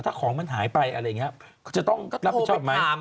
ถ้าของมันหายไปอะไรอย่างนี้จะต้องรับผิดชอบไหม